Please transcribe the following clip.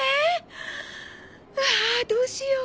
うわあどうしよう